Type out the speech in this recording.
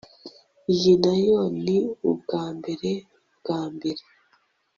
Iyi nayo ni ubwambere bwambere